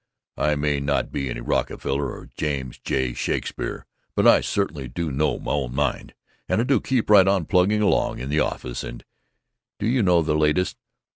I may not be any Rockefeller or James J. Shakespeare, but I certainly do know my own mind, and I do keep right on plugging along in the office and Do you know the latest?